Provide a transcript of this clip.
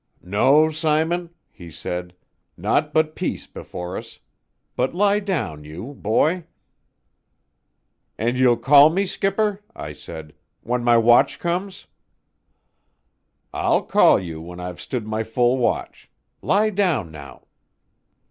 "No, Simon," he said "naught but peace before us. But lie down you, boy." "And you''ll call me, skipper," I said, "when my watch comes?" "I'll call you when I've stood my full watch. Lie down now."